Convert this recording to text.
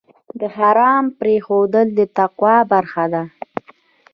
د حرام پرېښودل د تقوی برخه ده.